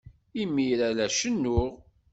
Imir-a, la cennuɣ.